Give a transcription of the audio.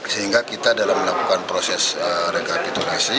sehingga kita dalam melakukan proses rekapitulasi